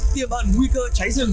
tiềm ẩn nguy cơ cháy rừng